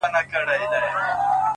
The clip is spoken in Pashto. o هغه دي مړه سي زموږ نه دي په كار ـ